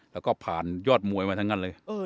แล้วก็ผ่านยอดมวยมาทั้งนั้นเลย